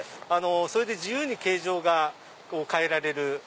それで自由に形状が変えられる。